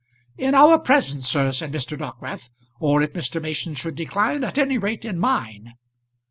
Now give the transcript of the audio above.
"In our presence, sir," said Mr. Dockwrath; "or if Mr. Mason should decline, at any rate in mine."